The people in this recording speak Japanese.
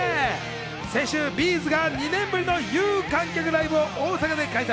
先週、Ｂ’ｚが２年ぶりの有観客ライブを大阪で開催。